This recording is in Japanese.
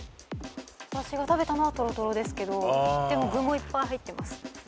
私が食べたのはとろとろですけどでも具もいっぱい入ってます。